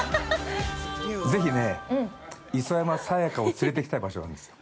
◆ぜひね、磯山さやかを連れていきたい場所があるんですよ。